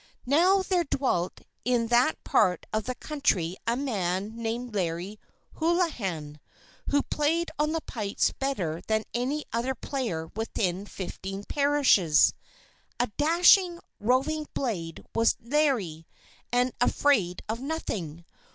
Now, there dwelt in that part of the country a man named Larry Hoolahan, who played on the pipes better than any other player within fifteen parishes. A dashing, roving blade was Larry, and afraid of nothing.